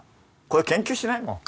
これ研究しないもん。